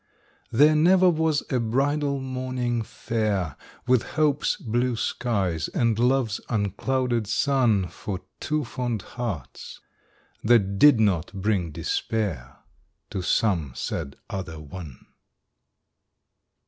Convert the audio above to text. There never was a bridal morning fair With hope's blue skies and love's unclouded sun For two fond hearts, that did not bring despair To some sad other one.